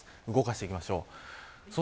動かしていきましょう。